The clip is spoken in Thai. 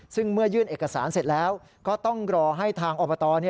ซึ่งเมื่อยื่นเอกสารเสร็จแล้วก็ต้องรอให้ทางอบต